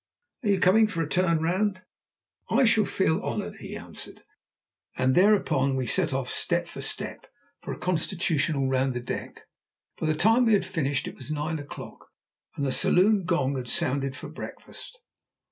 Are you coming for a turn round?" "I shall feel honoured," he answered, and thereupon we set off, step for step, for a constitutional round the deck. By the time we had finished it was nine o'clock, and the saloon gong had sounded for breakfast.